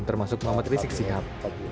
termasuk muhammad rizik shihab